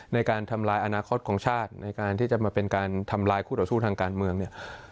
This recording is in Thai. ในการทำลายอนาคตของชาติในการที่จะมาเป็นการทำลายคู่ต่อสู้ทางการเมืองเนี่ย